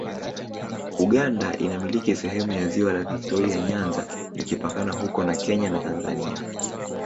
Uganda inamiliki sehemu ya ziwa la Viktoria Nyanza ikipakana huko na Kenya na Tanzania